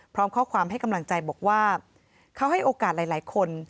พร้อมข้อความให้กำลังใจบอกว่าเขาให้โอกาสหลายคน